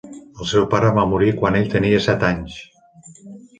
El seu pare va morir quan ell tenia set anys.